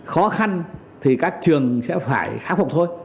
khó khăn thì các trường sẽ phải khắc phục thôi